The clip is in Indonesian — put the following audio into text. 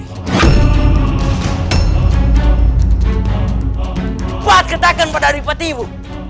tepat katakan pada adipatimu